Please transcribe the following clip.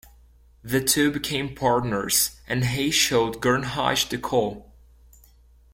The two became partners, and Hay showed Gernreich The Call.